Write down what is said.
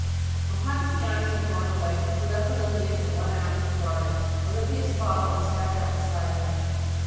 When Pontitianus had gone away, he left Alypius and went out into the garden. Alypius followed and sat down beside him.